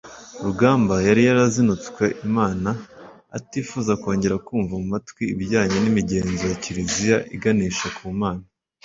Rugamba yari yarazinutswe Imana atifuza kongera kumva mu matwi ibijyanye n’imigenzo ya Kiliziya iganisha ku Mana